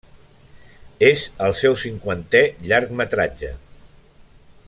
És el seu cinquantè llargmetratge.